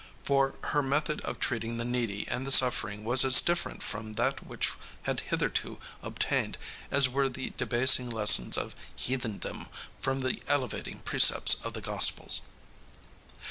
For her method of treating the needy and the suffering was as different from that which had hitherto obtained as were the debasing lessons of heathendom from the elevating precepts of the Gospels.